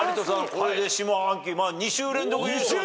これで下半期２週連続優勝と。